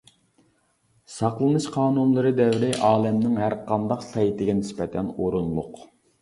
ساقلىنىش قانۇنلىرى دەۋرى ئالەمنىڭ ھەرقانداق پەيتىگە نىسبەتەن ئورۇنلۇق.